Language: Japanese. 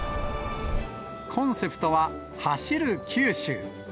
コンセプトは、走る九州。